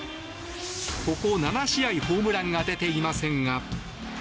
ここ７試合ホームランが出ていませんが。